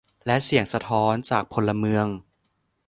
และเสียงสะท้อนจากพลเมือง